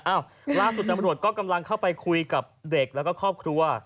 ล่าสุดตำรวจก็กำลังเข้าไปคุยกับเด็กแล้วก็ครอบครัว